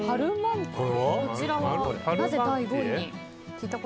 こちらは、なぜ第５位に？